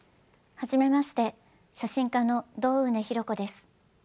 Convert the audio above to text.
初めまして写真家の堂畝紘子です。